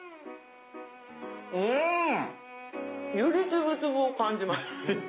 うん！より粒々を感じます。